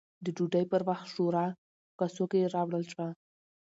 د ډوډۍ پر وخت، شورا په کاسو کې راوړل شوه